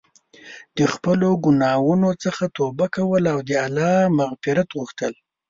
د خپلو ګناهونو څخه توبه کول او د الله مغفرت غوښتل.